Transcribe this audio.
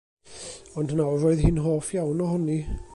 Ond nawr roedd hi'n hoff iawn ohoni.